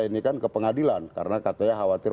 ini kan ke pengadilan karena katanya khawatir